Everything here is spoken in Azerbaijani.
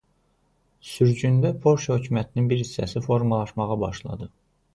Sürgündə Polşa hökumətinin bir hissəsi formalaşmağa başladı.